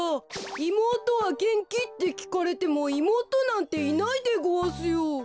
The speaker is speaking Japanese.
いもうとはげんき？」ってきかれてもいもうとなんていないでごわすよ。